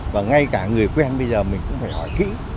và ngay cả người quen bây giờ mình cũng phải hỏi kỹ